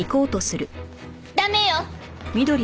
駄目よ！